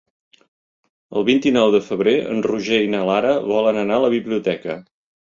El vint-i-nou de febrer en Roger i na Lara volen anar a la biblioteca.